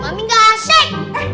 mami gak asik